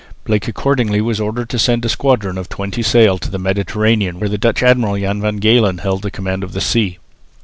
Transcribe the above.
Blake accordingly was ordered to send a squadron of twenty sail to the Mediterranean, where the Dutch admiral Jan van Galen held the command of the sea.